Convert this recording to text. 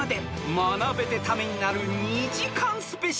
［学べてためになる２時間スペシャル］